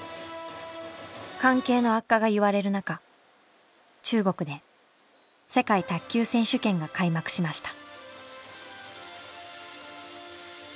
関係の悪化がいわれるなか中国で世界卓球選手権が開幕しました。